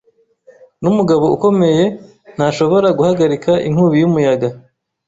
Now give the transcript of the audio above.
N'umugabo ukomeye ntashobora guhagarika inkubi y'umuyaga.